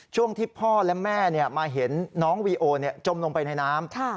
ช่วงที่พ่อและแม่มาเห็นน้องวีโอจมลงไปในน้ำ